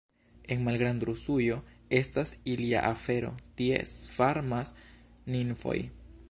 En Malgrandrusujo estas alia afero, tie svarmas nimfoj.